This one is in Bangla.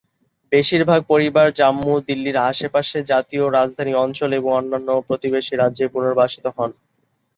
বেশিরভাগ পরিবার জম্মু, দিল্লির আশেপাশে জাতীয় রাজধানী অঞ্চল এবং অন্যান্য প্রতিবেশী রাজ্যে পুনর্বাসিত হন।